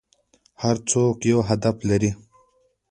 هر څوک یو هدف لري .